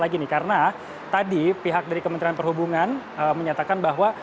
lagi nih karena tadi pihak dari kementerian perhubungan menyatakan bahwa